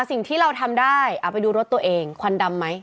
สิ่งที่เราทำได้เอาไปดูรถตัวเองควันดำไหม